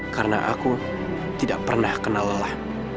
karena aku tidak pernah kena lelah